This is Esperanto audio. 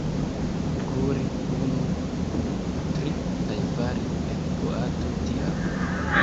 Kuri unu, du, tri, kaj fari en boato tiam.